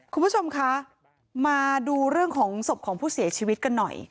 คุณผู้ชมคะมาดูเรื่องของศพของผู้เสียชีวิตกันหน่อย